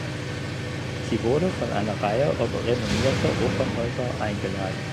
Sie wurde von einer Reihe renommierter Opernhäuser eingeladen.